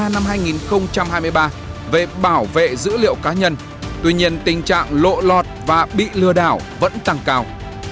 năm hai nghìn hai mươi ba về bảo vệ dữ liệu cá nhân tuy nhiên tình trạng lộ lọt và bị lừa đảo vẫn tăng cao